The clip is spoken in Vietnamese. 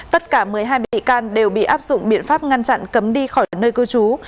tất cả một mươi hai bị can đều bị áp dụng biện pháp ngăn chặn cấm đi khỏi nơi cư trú